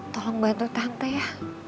tolong bantu tante ya